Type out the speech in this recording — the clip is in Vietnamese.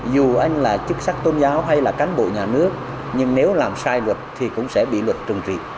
dù anh là chức sắc tôn giáo hay là cán bộ nhà nước nhưng nếu làm sai luật thì cũng sẽ bị luật trừng trị